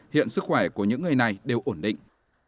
hiện sức khỏe của những người này đều ổn định